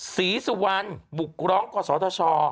สีสุวรรณบุกร้องกว่าสรทช